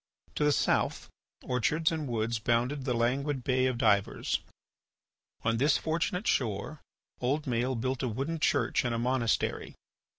To the south, orchards and woods bounded the languid Bay of Divers. On this fortunate shore old Maël built a wooden church and a monastery.